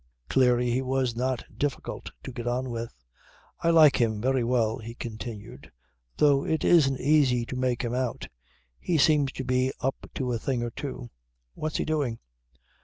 Clearly he was not difficult to get on with. "I like him, very well," he continued, "though it isn't easy to make him out. He seems to be up to a thing or two. What's he doing?"